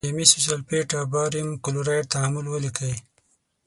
د مسو سلفیټ او باریم کلورایډ تعامل ولیکئ.